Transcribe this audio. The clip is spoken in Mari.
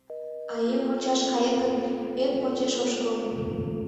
А еҥ мончаш каен гын, эн почеш ошкылын.